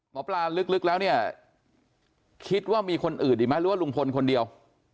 หมอปลาลึกแล้วเนี่ยคิดว่ามีคนอื่นอีกไหมหรือว่าลุงพลคนเดียว